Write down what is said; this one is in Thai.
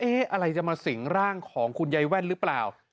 อะไรจะมาสิงร่างของคุณยายแว่นหรือเปล่า